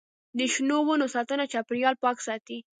د شنو ونو ساتنه چاپیریال پاک ساتي.